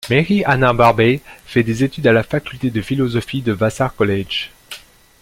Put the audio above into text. Mary Anna Barbey fait des études à la faculté de philosophie de Vassar College.